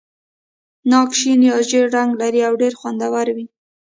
ناک شین یا ژېړ رنګ لري او ډېر خوندور وي.